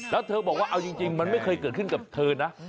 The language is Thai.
แล้วเธอบอกว่าเอาจริงมันไม่เคยเกิดขึ้นกับเธอนะ